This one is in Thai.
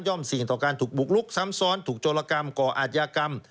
เสี่ยงต่อการถูกบุกลุกซ้ำซ้อนถูกโจรกรรมก่ออาจยากรรม